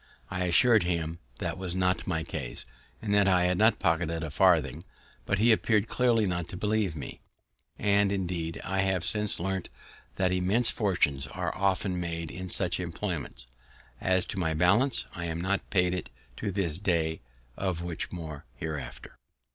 I assur'd him that was not my case, and that I had not pocketed a farthing; but he appear'd clearly not to believe me; and, indeed, I have since learnt that immense fortunes are often made in such employments. As to my balance, I am not paid it to this day, of which more hereafter.